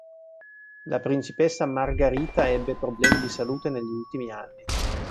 La principessa Margarita ebbe problemi di salute negli ultimi anni.